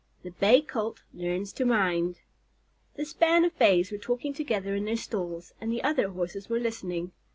THE BAY COLT LEARNS TO MIND The span of Bays were talking together in their stalls, and the other Horses were listening.